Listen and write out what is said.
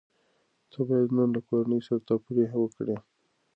ته بايد نن له کورنۍ سره تفريح وکړې.